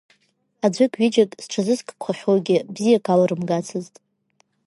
Аӡәык-ҩыџьак зҽазызкқәахьоугьы бзиа алрымгацызт.